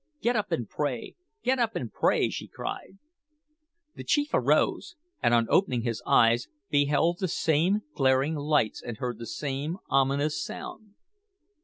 `Get up and pray! get up and pray!' she cried. The chief arose, and on opening his eyes, beheld the same glaring lights and heard the same ominous sound.